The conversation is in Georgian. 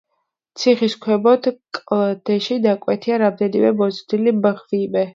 ციხის ქვემოთ, კლდეში ნაკვეთია რამდენიმე მოზრდილი მღვიმე.